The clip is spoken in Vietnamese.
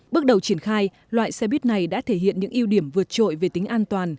bước đầu triển khai loại xe buýt này đã thể hiện những ưu điểm vượt trội về tính an toàn